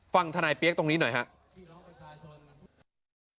ฟังธนายเปี๊ยกตรงนี้หน่อยครับ